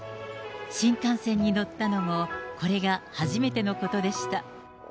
新幹線に乗ったのも、これが初めてのことでした。